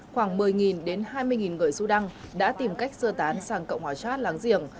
khoảng một mươi đến hai mươi người sudan đã tìm cách sơ tán sang cộng hòa sát láng giềng